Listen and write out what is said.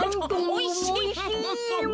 おいしい。